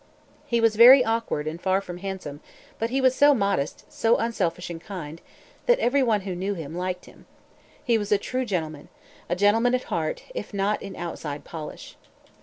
He was very awkward and far from handsome, but he was so modest, so unselfish and kind, that every one who knew him liked him. He was a true gentleman a gentleman at heart, if not in outside polish.